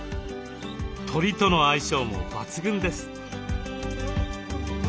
鳥との相性も抜群です。